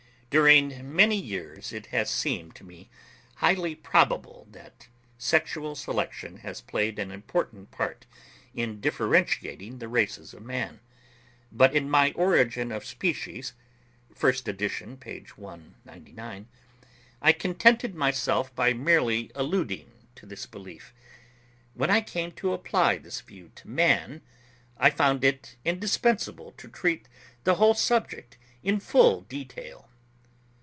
During many years it has seemed to me highly probable that sexual selection has played an important part in differentiating the races of man; but in my 'Origin of Species' (first edition, page 199) I contented myself by merely alluding to this belief. When I came to apply this view to man, I found it indispensable to treat the whole subject in full detail.